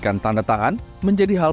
gak adanya hal lain